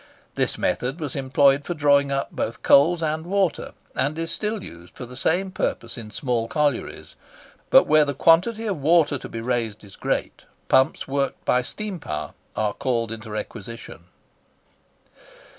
This method was employed for drawing up both coals and water, and it is still used for the same purpose in small collieries; but where the quantity of water to be raised is great, pumps worked by steam power are called into requisition.